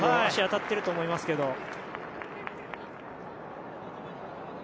足、当たっていると思いますけど。